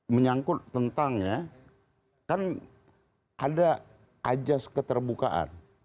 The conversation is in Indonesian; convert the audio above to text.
menyangkut tentangnya kan ada ajas keterbukaan